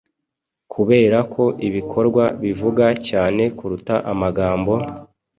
Kuberako ibikorwa bivuga cyane kuruta amagambo,